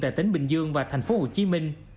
tại tỉnh bình dương và tp hồ chí minh